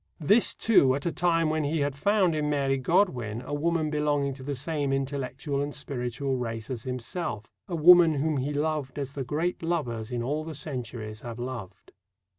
This, too, at a time when he had found in Mary Godwin a woman belonging to the same intellectual and spiritual race as himself a woman whom he loved as the great lovers in all the centuries have loved.